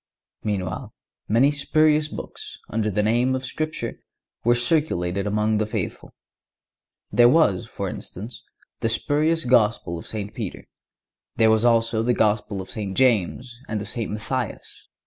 Meanwhile, many spurious books, under the name of Scripture, were circulated among the faithful. There was, for instance, the spurious Gospel of St. Peter; there was also the Gospel of St. James and of St. Matthias.